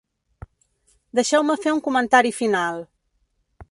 Deixeu-me fer un comentari final.